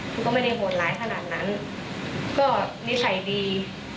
เขาก็ไม่ได้โหดร้ายขนาดนั้นก็นิสัยดี